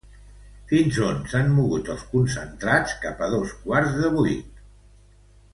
Fins on s'han mogut els concentrats cap a dos quarts de vuit?